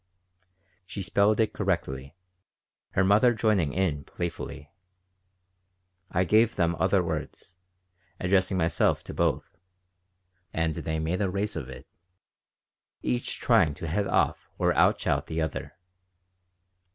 She spelled it correctly, her mother joining in playfully. I gave them other words, addressing myself to both, and they made a race of it, each trying to head off or outshout the other.